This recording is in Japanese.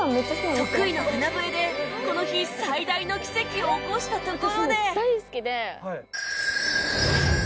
得意の鼻笛でこの日最大の奇跡を起こしたところで